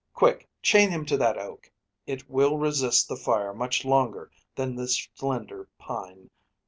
Quick! Chain him to that oak! It will resist The fire much longer than this slender pine.